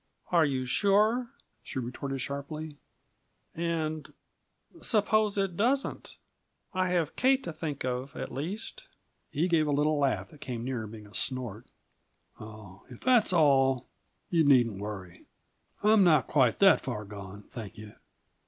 "Are you sure?" she retorted sharply. "And suppose it doesn't. I have Kate to think of, at least." He gave a little laugh that came nearer being a snort. "Oh, if that's all, you needn't worry. I'm not quite that far gone, thank you!"